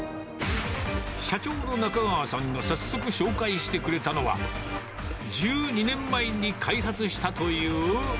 社長の中川さんが早速紹介してくれたのは、１２年前に開発したという。